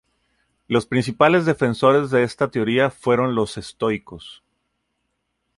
Los principales defensores de esta teoría fueron los estoicos.